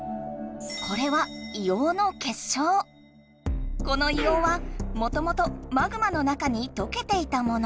これはこの硫黄はもともとマグマの中にとけていたもの。